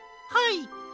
はい。